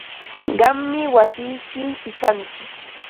Qammi wasiyki pichanki.